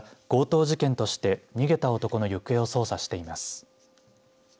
警察は強盗事件として逃げた男の行方を捜査しています。